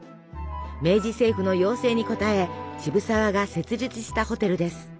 明治政府の要請に応え渋沢が設立したホテルです。